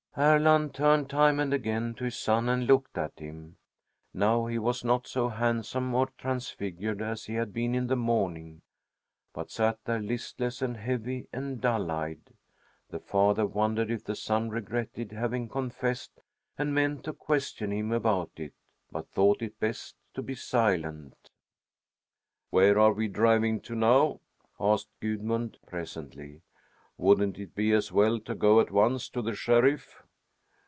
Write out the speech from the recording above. Erland turned time and again to his son and looked at him. Now he was not so handsome or transfigured as he had been in the morning, but sat there listless and heavy and dull eyed. The father wondered if the son regretted having confessed and meant to question him about it, but thought it best to be silent. "Where are we driving to now?" asked Gudmund presently. "Wouldn't it be as well to go at once to the sheriff?"